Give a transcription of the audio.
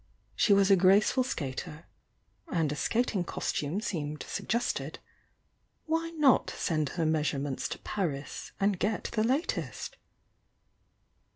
She was a graceful skater — and a skating costume seemed suggested — why not send her measurements to Paris and get the latest?